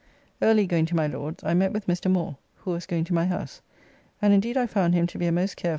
Early going to my Lord's I met with Mr. Moore, who was going to my house, and indeed I found him to be a most careful, painful, [Painful, i.